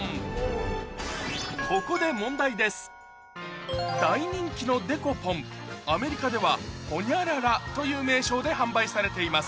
ここで大人気のデコポンアメリカではホニャララという名称で販売されています